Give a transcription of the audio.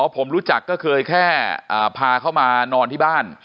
ผมรู้จักก็เคยแค่พาเขามานอนที่บ้าน